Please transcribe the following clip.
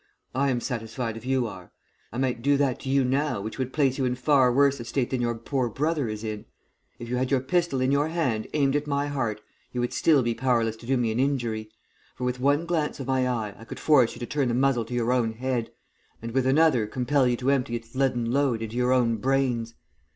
I am satisfied if you are. I might do that to you now which would place you in far worse estate than your poor brother is in. If you had your pistol in your hand, aimed at my heart, you would still be powerless to do me an injury, for with one glance of my eye I could force you to turn the muzzle to your own head, and with another compel you to empty its leaden load into your own brains.